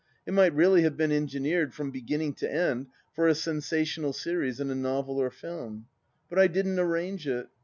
It might really have been engineered, from beginning to end, for a sensa tional series in a novel or film. But I didn't arrange it.